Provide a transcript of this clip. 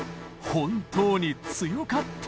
本当に強かった！